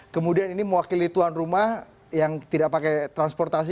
kemudian ini mewakili tuan rumah yang tidak pakai transportasi